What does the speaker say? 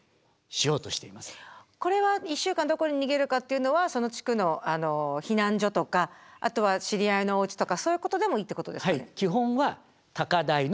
これは１週間どこに逃げるかっていうのはその地区の避難所とかあとは知り合いのおうちとかそういうことでもいいってことですか？